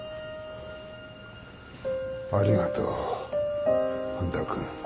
ありがとう半田君。